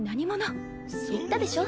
言ったでしょ。